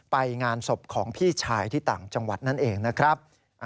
ไปงานศพของพี่ชายที่ต่างจังหวัดนั่นเองนะครับ